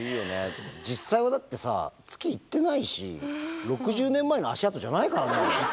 実際はだってさ月行ってないし６０年前の足跡じゃないからねあれ。